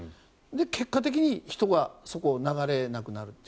結果的に人がそこに流れなくなるという。